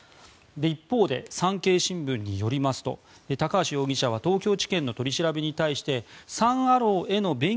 一方で、産経新聞によりますと高橋容疑者は東京地検の取り調べに対してサン・アローへの便宜